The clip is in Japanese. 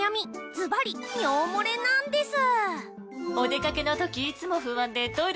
ずばり尿もれなンデス！